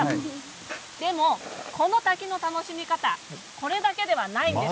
でも、この滝の楽しみ方これだけじゃないんです。